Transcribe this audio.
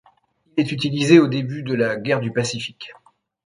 Il est utilisé au début de la guerre du Pacifique.